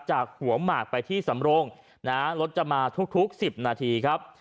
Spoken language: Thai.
จากหัวหมากไปที่สำรงนะฮะรถจะมาทุก๑๐นาทีครับ